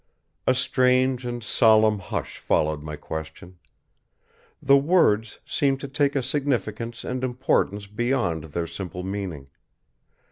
A strange and solemn hush followed my question. The words seemed to take a significance and importance beyond their simple meaning.